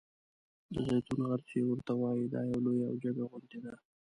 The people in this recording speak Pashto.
د زیتون غر چې ورته وایي دا یوه لویه او جګه غونډۍ ده.